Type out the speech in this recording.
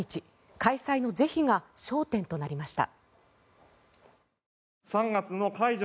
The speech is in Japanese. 開催の是非が焦点となりました。